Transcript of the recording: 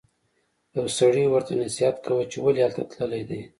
یو سړي ورته نصیحت کاوه چې ولې هلته تللی دی.